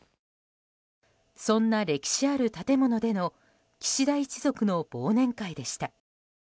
そんな歴史ある建物での岸田一族の忘年会でした。